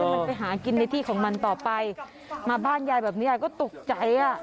มันไปหากินในที่ของมันต่อไปมาบ้านยายแบบนี้ยายก็ตกใจอ่ะ